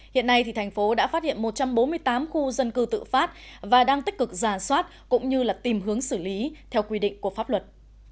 hiện nay thành phố đã phát hiện một trăm bốn mươi tám khu dân cư tự phát và đang tích cực giả soát cũng như tìm hướng xử lý theo quy định của pháp luật